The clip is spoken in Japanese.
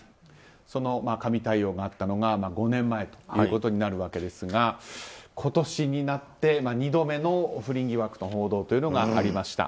その神対応があったのが５年前ということになるわけですが今年になって、２度目の不倫疑惑の報道がありました。